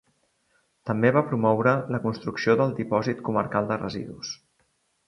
També va promoure la construcció del dipòsit comarcal de residus.